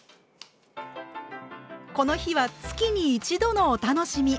この日は月に一度のお楽しみ！